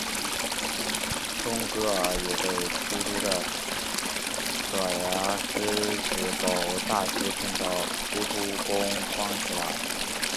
冬哥儿也被秃秃的爪牙狮子狗大狮骗到秃秃宫关起来。